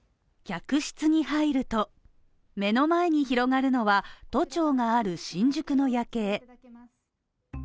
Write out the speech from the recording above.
客室に入ると、目の前に広がるのは都庁がある新宿の夜景。